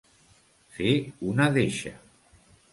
Fer una deixa.